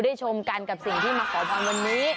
ชมกันกับสิ่งที่มาขอพรวันนี้